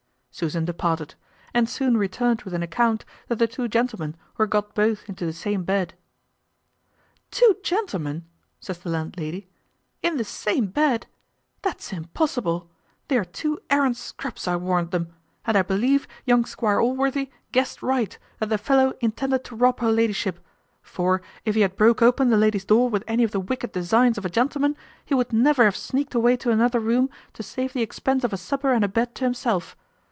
Susan departed, and soon returned with an account that the two gentlemen were got both into the same bed. "Two gentlemen," says the landlady, "in the same bed! that's impossible; they are two arrant scrubs, I warrant them; and I believe young Squire Allworthy guessed right, that the fellow intended to rob her ladyship; for, if he had broke open the lady's door with any of the wicked designs of a gentleman, he would never have sneaked away to another room to save the expense of a supper and a bed to himself.